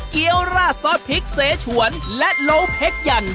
เกี้ยวราดซอสพริกเสฉวนและโลเพ็กยัน